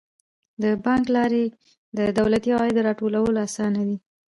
د بانک له لارې د دولتي عوایدو راټولول اسانه دي.